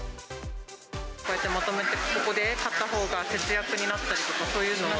こうやってまとめてここで買ったほうが節約になったりとか、そういうのは？